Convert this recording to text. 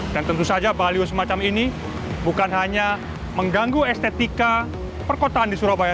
dan tentu saja baliho semacam ini bukan hanya mengganggu estetika perkotaan di surabaya